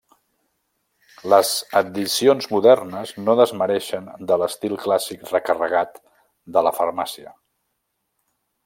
Les addicions modernes no desmereixen de l'estil clàssic recarregat de la farmàcia.